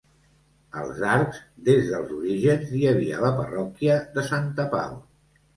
Als Arcs, des dels orígens, hi havia la parròquia de Santa Pau.